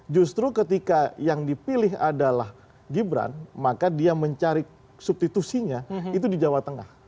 justru ketika yang dipilih adalah gibran maka dia mencari substitusinya itu di jawa tengah